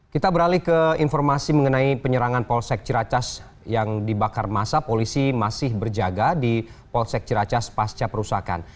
kita beralih ke informasi mengenai penyerangan polsek ciracas yang dibakar masa polisi masih berjaga di polsek ciracas pasca perusahaan